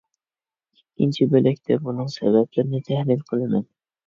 ئىككىنچى بۆلەكتە بۇنىڭ سەۋەبلىرىنى تەھلىل قىلىمەن.